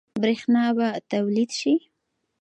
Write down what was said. برښنا به تولید شي؟